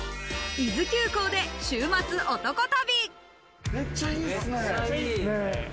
伊豆急行で週末男旅。